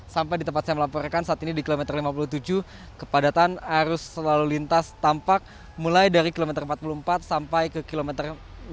sampai di tempat saya melaporkan saat ini di kilometer lima puluh tujuh kepadatan arus selalu lintas tampak mulai dari kilometer empat puluh empat sampai ke kilometer enam puluh